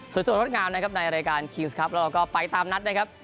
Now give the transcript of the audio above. ส่วนงดงามนะครับในรายการคิงส์ครับแล้วเราก็ไปตามนัดนะครับ